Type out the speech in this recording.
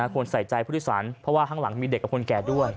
ควรใส่ใจผู้โดยสารเพราะว่าข้างหลังมีเด็กกับคนแก่ด้วย